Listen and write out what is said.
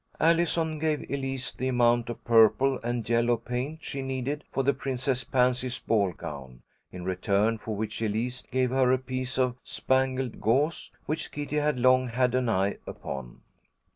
Allison gave Elise the amount of purple and yellow paint she needed for the Princess Pansy's ball gown, in return for which Elise gave her a piece of spangled gauze which Kitty had long had an eye upon.